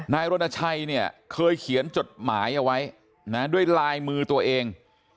รณชัยเนี่ยเคยเขียนจดหมายเอาไว้นะด้วยลายมือตัวเอง